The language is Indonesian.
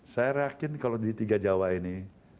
saya yakin kalau di tiga jawa ini